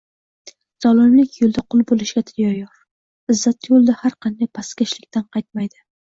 Zolimlik yo’lida qul bo’lishga tayyor, izzati yo’lida har qanday pastkashlikdan qaytmaydi.